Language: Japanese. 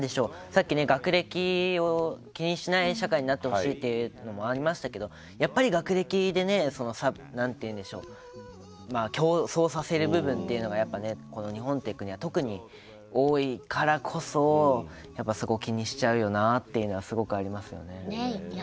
さっき学歴を気にしない社会になってほしいというのもありましたけど、やっぱり学歴で競争させる部分が日本という国は特に多いからこそそこを気にしちゃうというのがすごくありますね。